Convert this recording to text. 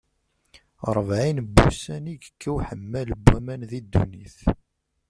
Ṛebɛin n wussan i yekka uḥemmal n waman di ddunit.